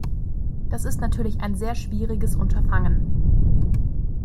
Das ist natürlich ein sehr schwieriges Unterfangen.